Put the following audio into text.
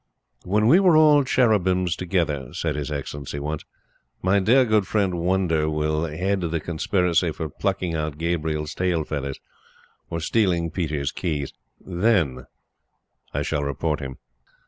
"When we are all cherubims together," said His Excellency once, "my dear, good friend Wonder will head the conspiracy for plucking out Gabriel's tail feathers or stealing Peter's keys. THEN I shall report him."